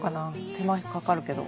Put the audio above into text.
手間かかるけど。